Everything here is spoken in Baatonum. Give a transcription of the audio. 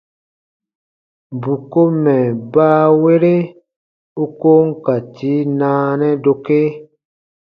Bù ko mɛ̀ baawere u ko n ka tii naanɛ dokee.